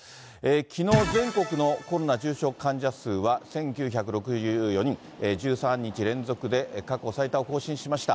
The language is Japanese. きのう、全国のコロナ重症患者数は１９６４人、１３日連続で過去最多を更新しました。